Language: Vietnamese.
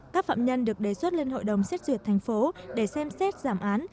các phạm nhân được đề xuất lên hội đồng xét duyệt thành phố để xem xét giảm án